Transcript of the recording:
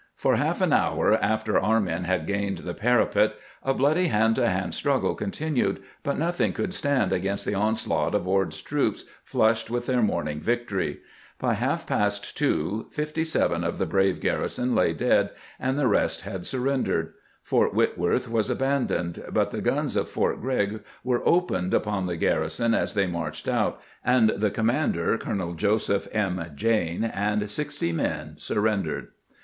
For half an hour after our men had gained the parapet a bloody hand to band struggle continued, but nothing could stand against the onslaught of Ord's troops, flushed with their morning's victory. By half past two 57 of the brave garrison lay dead, and the rest had surrendered. Fort Whitworth was abandoned, but the guns of Fort Grregg were opened upon the garrison as they marched out, and the commander, Colonel Joseph M. Jayne, and 60 men surrendered.